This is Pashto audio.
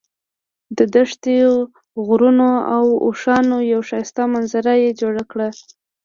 د دښتې، غرونو او اوښانو یوه ښایسته منظره یې جوړه کړه.